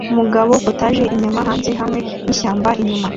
Umugabo POTAGE inyama hanze hamwe nishyamba inyuma